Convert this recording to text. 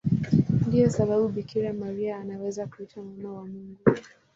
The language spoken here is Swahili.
Ndiyo sababu Bikira Maria anaweza kuitwa Mama wa Mungu.